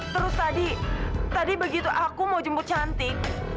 terus tadi begitu aku mau jemput cantik